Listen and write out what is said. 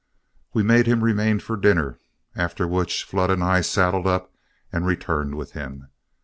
We made him remain for dinner, after which Flood and I saddled up and returned with him.